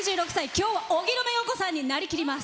今日は荻野目洋子さんになりきります。